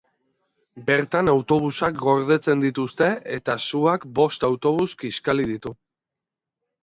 Bertan autobusak gordetzen dituzte, eta suak bost autobus kiskali ditu.